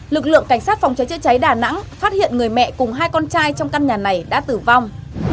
lực lượng cảnh sát phòng cháy chữa cháy đà nẵng phát hiện người mẹ cùng hai con trai trong căn nhà này đã tử vong